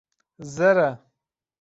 Zer e.